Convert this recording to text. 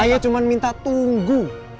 saya cuma minta tunggu